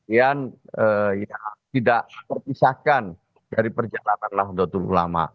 yang tidak terpisahkan dari perjalanan nahdlatul ulama